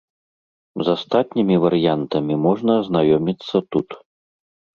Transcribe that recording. З астатнімі варыянтамі можна азнаёміцца тут.